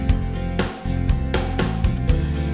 udah ternyata sulit